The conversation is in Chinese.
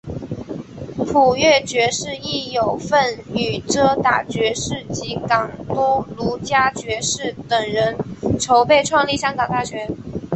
普乐爵士亦有份与遮打爵士及港督卢嘉爵士等人筹备创立香港大学。